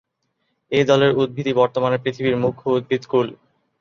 এ দলের উদ্ভিদই বর্তমানে পৃথিবীর মুখ্য উদ্ভিদকুল।